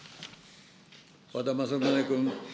和田政宗君。